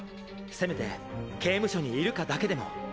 せめて刑務所にいるかだけでも。